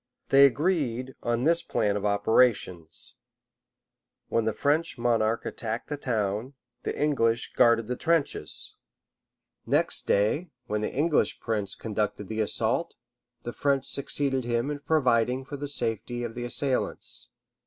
They agreed on this plan of operations: when the French monarch attacked the town, the English guarded the trenches: next day, when the English prince conducted the assault, the French succeeded him in providing for the safety of the assailants.